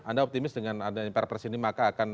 anda optimis dengan adanya perpres ini maka akan